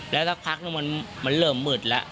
แล้วสักพักนึงมันเริ่มมืดแล้ว